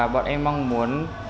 bọn em mong muốn